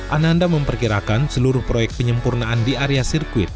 ananda memperkirakan seluruh proyek penyempurnaan di area sirkuit